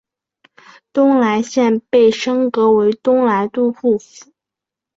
东莱县被升格为东莱都护府。